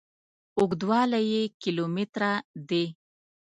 اوږدوالي یې کیلو متره دي.